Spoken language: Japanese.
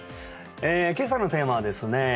今朝のテーマはですね